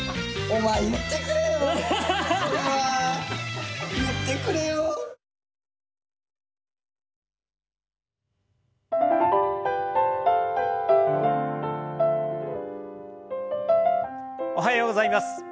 おはようございます。